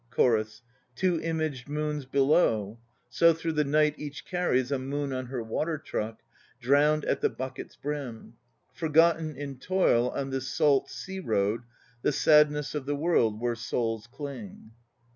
.. CHORUS. Two imaged moons below, So through the night each carries A moon on her water truck, Drowned at the bucket's brim. Forgotten, in toil on this salt sea road, The sadness of this world where souls cling!